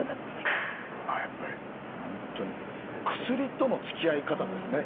まあやっぱり本当に薬とのつきあい方ですね